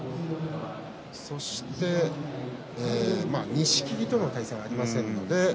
そして、錦木と対戦がまだありませんので。